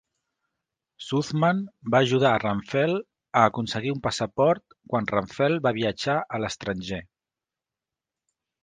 Suzman va ajudar Ramphele a aconseguir un passaport quan Ramphele va viatjar a l'estranger.